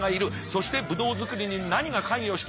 そしてぶどう作りに何が関与しているのか。